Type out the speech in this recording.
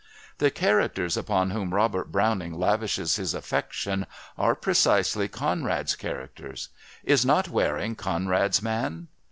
The characters upon whom Robert Browning lavished his affection are precisely Conrad's characters. Is not Waring Conrad's man?